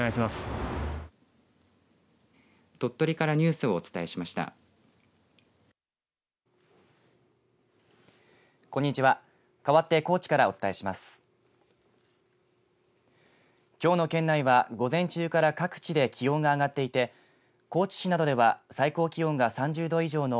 きょうの県内は、午前中から各地で気温が上がっていて高知市などでは最高気温が３０度以上の